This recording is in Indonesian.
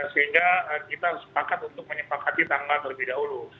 sehingga kita sepakat untuk menyepakati tanggal terlebih dahulu